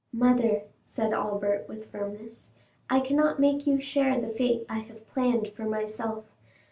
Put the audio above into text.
"Mother," said Albert with firmness. "I cannot make you share the fate I have planned for myself.